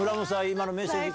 今のメッセージ。